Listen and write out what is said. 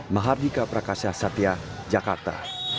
mahardika prakasya satya jakarta